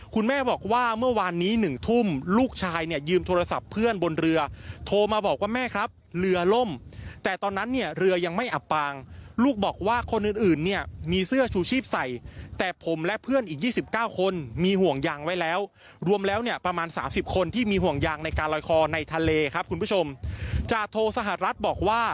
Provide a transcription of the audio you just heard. คุณแม่บอกว่าเมื่อวานนี้๑ทุ่มลูกชายเนี่ยยืมโทรศัพท์เพื่อนบนเรือโทรมาบอกว่าแม่ครับเรือล่มแต่ตอนนั้นเนี่ยเรือยังไม่อับปางลูกบอกว่าคนอื่นเนี่ยมีเสื้อชูชีพใส่แต่ผมและเพื่อนอีก๒๙คนมีห่วงยางไว้แล้วรวมแล้วเนี่ยประมาณสามสิบคนที่มีห่วงยางในการลอยคอในทะเลครับคุณผู้ชมจาโทสหรัฐบอกว่า